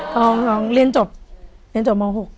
น้องเรียนจบเรียนจบม๖